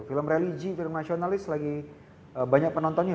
film religi film nasionalis lagi banyak penontonnya